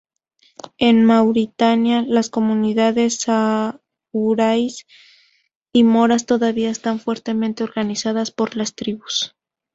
En Mauritania, las comunidades saharauis y moras todavía están fuertemente organizadas por las tribus.